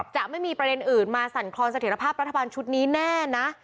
จะไม่มีประเด็นอื่นมาสั่นคลอนเสถียรภาพรัฐบาลชุดนี้แน่นะ